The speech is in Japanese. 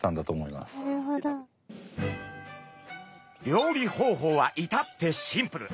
料理方法は至ってシンプル。